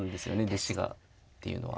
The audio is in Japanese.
弟子がっていうのは。